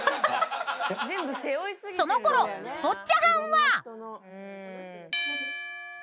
［そのころスポッチャ班は］